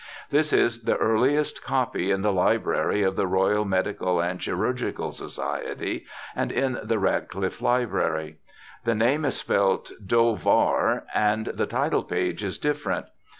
This is the earliest copy in the Library of the Royal Medical and Chirurgical Society, and in the Radcliffe Library. The name is spelt Dovar, and the title page is different.